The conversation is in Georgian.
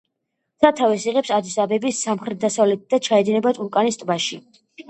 სათავეს იღებს ადის-აბების სამხრეთ-დასავლეთით და ჩაედინება ტურკანის ტბაში.